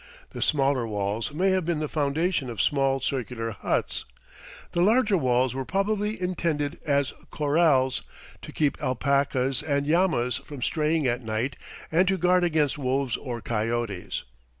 The smaller walls may have been the foundation of small circular huts. The larger walls were probably intended as corrals, to keep alpacas and llamas from straying at night and to guard against wolves or coyotes.